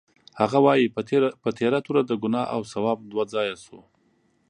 هغه وایي: په تېره توره د ګناه او ثواب دوه ځایه شو.